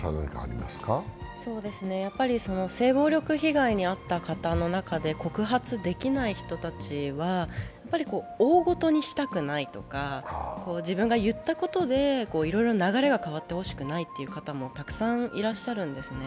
性暴力被害に遭った方の中で告発できない人たちは、やっぱり大ごとにしたくないとか自分が言ったことで、いろいろ流れが変わってほしくないっていう方もたくさんいらっしゃるんですね。